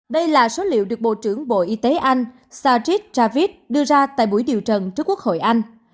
đây là số liệu được bộ trưởng bộ y tế anh sajid javid đưa ra tại buổi điều trần trước quốc hội anh